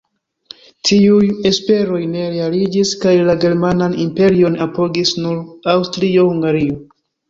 Tiuj esperoj ne realiĝis kaj la Germanan Imperion apogis nur Aŭstrio-Hungario.